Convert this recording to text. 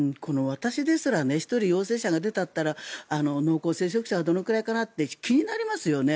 私ですら１人陽性者が出たと言ったら濃厚接触者はどれくらいかなって気になりますよね。